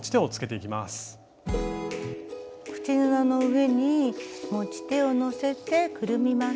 口布の上に持ち手をのせてくるみます。